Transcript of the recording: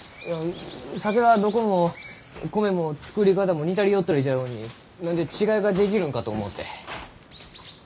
酒はどこも米も造り方も似たり寄ったりじゃろうに何で違いができるのかと思うて。